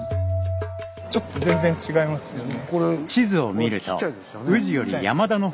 ちょっと全然違いますよね。